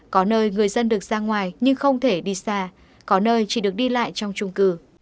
có nơi người dân được ra ngoài nhưng không thể đi xa có nơi chỉ được đi lại trong trung cư